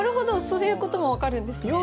そういうことも分かるんですね。